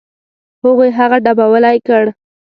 هغوی هغه ډبولی کړ.